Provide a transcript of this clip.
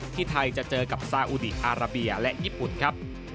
ที่ไทยจะเจอกับซาอุดีอาราเบียและญี่ปุ่นครับ